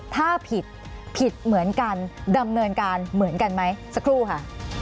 ถ้าผิดผิดเหมือนกันดำเนินการเหมือนกันไหมสักครู่ค่ะ